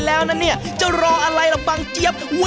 เพราะอินี่หายตัวได้